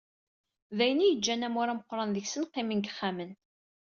D ayen i yeǧǧan amur ameqqran seg-sen qqimen deg yixxamen.